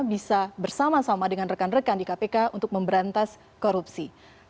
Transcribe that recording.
bisa bersama sama dengan rekan rekan di kpk untuk memberantas korupsi